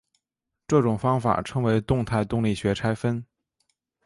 这种方法称为动态动力学拆分。